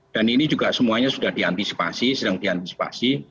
dan ini juga semuanya sudah diantisipasi sedang diantisipasi